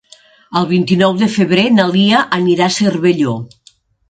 El vint-i-nou de febrer na Lia anirà a Cervelló.